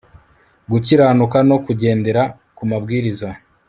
gukiranuka no kugendera kumabwiriza